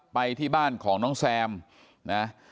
ไปที่บ้านของน้องแซมนะ